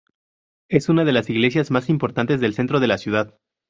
Es una de las iglesias más importantes del centro de la ciudad.